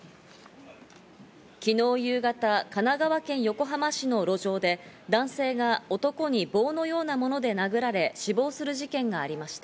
昨日夕方、神奈川県横浜市の路上で、男性が男に棒のようなもので殴られ、死亡する事件がありました。